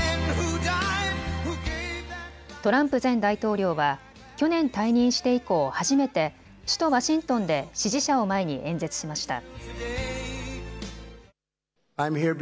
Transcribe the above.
トランプ前大統領は去年退任して以降、初めて首都ワシントンで支持者を前に演説しました。